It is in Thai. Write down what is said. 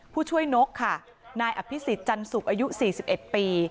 ผู้ช่วยนกค่ะนายอภิษฎจันสุกอายุสี่สิบเอ็ดปี